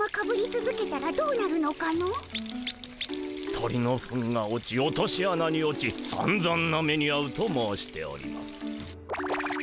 鳥のフンが落ち落としあなに落ちさんざんな目にあうと申しております。